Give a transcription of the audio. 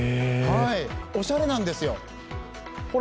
おしゃれなんですよ。